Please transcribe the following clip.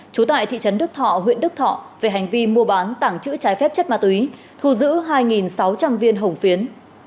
trú tại thị trấn đức thọ huyện đức thọ về hành vi mua bán tảng chữ trái phép chất ma túy thu giữ hai sáu trăm linh viên hồng phiến